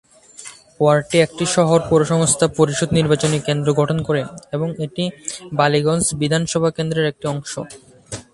ওয়ার্ডটি একটি শহর পৌরসংস্থা পরিষদ নির্বাচনী কেন্দ্র গঠন করে এবং এটি বালিগঞ্জ বিধানসভা কেন্দ্রর একটি অংশ।